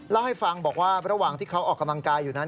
เล่าให้ฟังบอกว่าระหว่างที่เขาออกกำลังกายอยู่นั้น